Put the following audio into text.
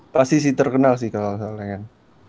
pasti sih terkenal sih kalo soalnya kan